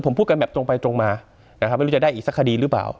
ผมพูดกันแบบตรงไปตรงมานะครับไม่รู้จะได้อีกสักคดีหรือเปล่า